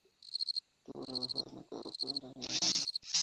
Este borrador fue adelantado por el diario El Mundo.